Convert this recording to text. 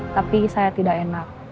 tapi saya tidak enak